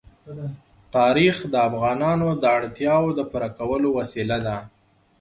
تاریخ د افغانانو د اړتیاوو د پوره کولو وسیله ده.